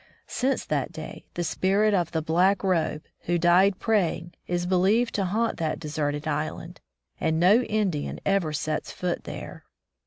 Since that day, the spirit of the "Black Robe", who died praying, is believed to haunt the deserted island, and no Indian ever sets foot there.